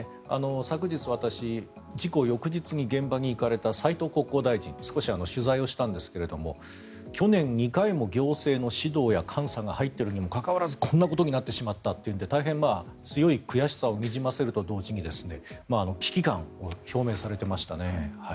昨日、私、事故翌日に現場に行かれた斉藤国交大臣に少し取材をしたんですが去年、２回も行政の指導や監査が入ったにもかかわらずこんなことになってしまったということで大変強い悔しさをにじませると同時に危機感を表明されていましたね。